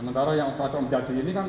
sementara yang satu om jati ini kan